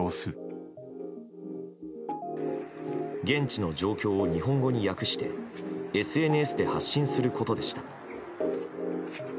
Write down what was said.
現地の状況を日本語に訳してＳＮＳで発信することでした。